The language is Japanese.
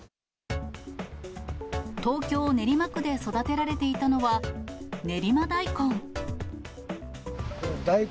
東京・練馬区で育てられていたのは、練馬大根。